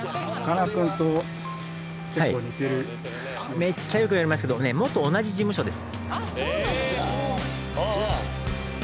めっちゃよく言われますけどね元同じ事務所です。